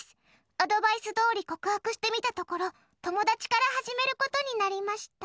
アドバイスどおり告白してみたところ友達から始めることになりました。